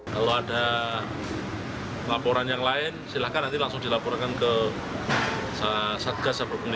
kalau ada laporan yang lain silahkan nanti langsung dilaporkan ke satgas yang berhubungi